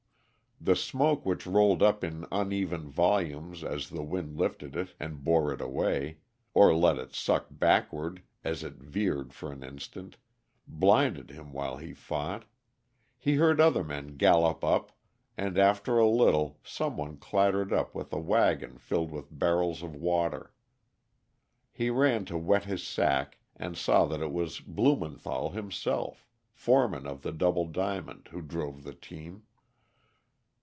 The smoke which rolled up in uneven volumes as the wind lifted it and bore it away, or let it suck backward as it veered for an instant, blinded him while he fought. He heard other men gallop up, and after a little some one clattered up with a wagon filled with barrels of water. He ran to wet his sack, and saw that it was Blumenthall himself, foreman of the Double Diamond, who drove the team.